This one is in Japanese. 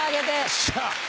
よっしゃ。